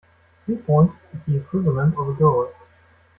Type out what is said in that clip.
Three points is the equivalent of a goal.